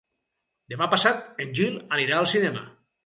Demà passat en Gil anirà al cinema.